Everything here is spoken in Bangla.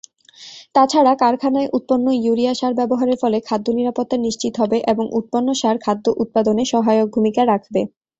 তাছাড়া, কারখানায় উৎপন্ন ইউরিয়া সার ব্যবহারের ফলে খাদ্য নিরাপত্তা নিশ্চিত হবে এবং উৎপন্ন সার খাদ্য উৎপাদনে সহায়ক ভূমিকা রাখবে।